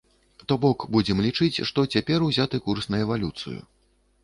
То бок будзем лічыць, што цяпер узяты курс на эвалюцыю.